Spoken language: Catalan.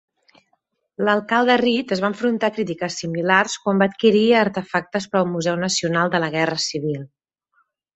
L'alcalde Reed es va enfrontar a crítiques similars quan va adquirir artefactes per al Museu Nacional de la Guerra Civil.